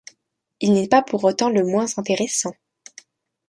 Il n’est pas pour autant le moins intéressant.